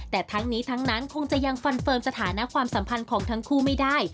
แต่ทั้งนี้ทั้งนั้นคงจะยังฟันเฟิร์มสถานะความสัมพันธ์ของทั้งคู่ไม่ได้